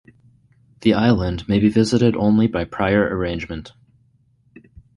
The island may be visited only by prior arrangement.